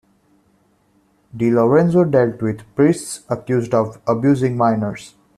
DiLorenzo dealt with priests accused of abusing minors.